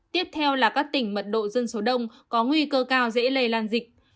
tiếp theo là các tỉnh mật độ dân số đông có nguy cơ cao dễ lây lan dịch